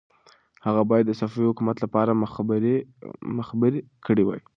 هغه باید د صفوي حکومت لپاره مخبري کړې وای.